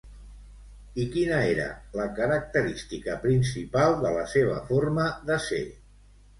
I quina era la característica principal de la seva forma de ser?